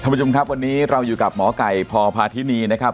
ผู้ชมครับวันนี้เราอยู่กับหมอไก่พพาธินีนะครับ